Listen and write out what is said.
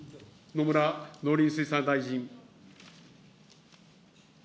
野村農林水産大臣。